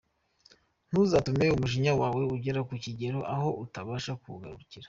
Ntuzatume umujinya wawe ugera ku kigero aho utabasha kuwuhagarika.